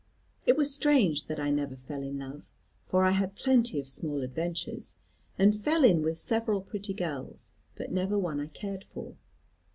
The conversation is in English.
It was strange that I never fell in love, for I had plenty of small adventures, and fell in with several pretty girls, but never one I cared for.